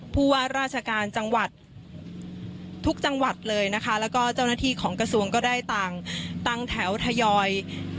ผู้ว่าราชการจังหวัดทุกจังหวัดเลยนะคะแล้วก็เจ้าหน้าที่ของกระทรวงก็ได้ต่างตั้งแถวทยอย